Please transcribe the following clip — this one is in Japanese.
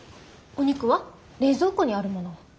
お肉は冷蔵庫にあるものを。